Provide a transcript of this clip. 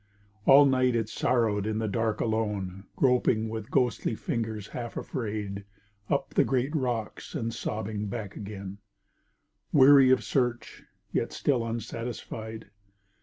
All night it sorrowed in the dark alone, Groping with ghostly fingers, half afraid, Up the great rocks and sobbing back again, Weary of search, yet still unsatisfied.